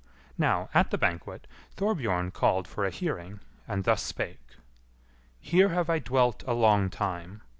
Now, at the banquet, Thorbjorn called for a hearing, and thus spake: "Here have I dwelt a long time.